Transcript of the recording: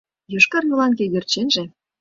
Йошкар йолан кӧгӧрченже